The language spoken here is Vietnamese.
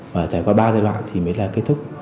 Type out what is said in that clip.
và trải qua ba giai đoạn thì mới là kết thúc